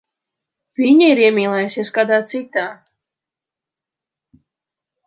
Viņa ir iemīlējusies kādā citā.